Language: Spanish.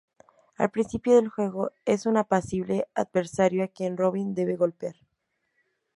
Al principio del juego es un apacible adversario a quien Robin debe golpear.